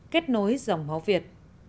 kết nối giọng máu việt